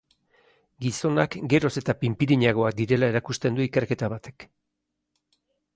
Gizonak geroz eta pinpirinagoak direla erakusten du ikerketa batek.